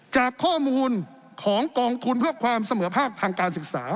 จากข้อมูลของกองทุนเพื่อความเสมอภาคทางการศึกษา